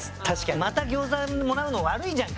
また餃子もらうの悪いじゃんか。